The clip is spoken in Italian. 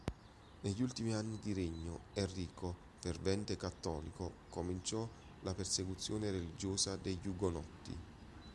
Negli ultimi anni di regno, Enrico, fervente cattolico, cominciò la persecuzione religiosa degli ugonotti.